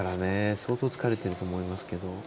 相当疲れていると思いますけど。